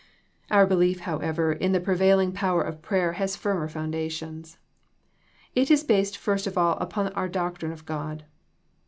Our belief, however, in the prevailing power of prayer has firmer foundations. It is based first of all upon our doctrine of God.